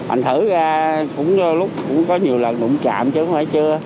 anh thử ra cũng có nhiều lần đụng chạm chứ không phải chưa